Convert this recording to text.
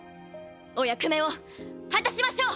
お役目を果たしましょう！